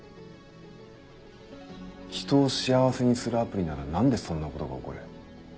人を幸せにするアプリなら何でそんなことが起こる？